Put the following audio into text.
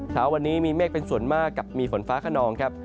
เช้าวันนี้มีเมฆเป็นส่วนมากกับมีฝนฟ้าขนองครับ